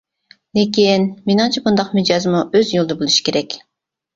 لېكىن، مېنىڭچە مۇنداق مىجەزمۇ ئۆز يولىدا بولۇشى كېرەك.